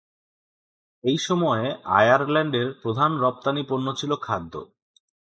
এই সময়ে আয়ারল্যান্ডের প্রধান রপ্তানি পণ্য ছিল খাদ্য।